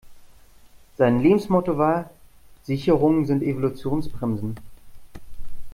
Sein Lebensmotto war: Sicherungen sind Evolutionsbremsen.